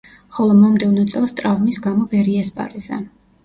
ხოლო მომდევნო წელს ტრავმის გამო, ვერ იასპარეზა.